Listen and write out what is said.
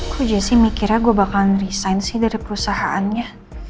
aku jessi mikirnya gue bakalan resign sih dari perusahaannya